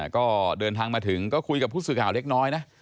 ก็เดินทางมาถึงก็คุยกับผู้สื่อข่าวเล็กน้อยนะ